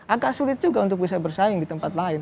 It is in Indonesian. agak sulit juga untuk bisa bersaing di tempat lain